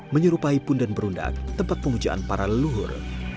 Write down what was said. menyerupai punden berundak tempat pemujaan para leluhur